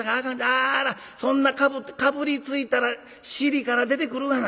あそんなかぶりついたら尻から出てくるがな。